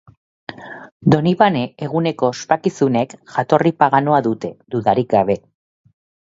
Donibane eguneko ospakizunek jatorri paganoa dute, dudarik gabe.